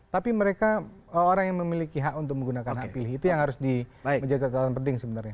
tapi mereka orang yang memiliki hak untuk menggunakan hak pilih itu yang harus menjadi catatan penting sebenarnya